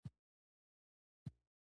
دغو پېښو له پېښو سره لږ ورته والی درلود.